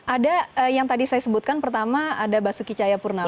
ada yang tadi saya sebutkan pertama ada basuki cahayapurnama